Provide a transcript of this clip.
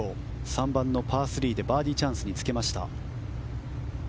３番のパー３からバーディーチャンスにつけました。